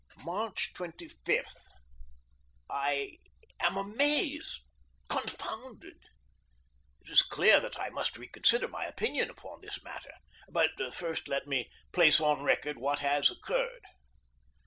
March 25. I am amazed, confounded. It is clear that I must reconsider my opinion upon this matter. But first let me place on record what has occurred.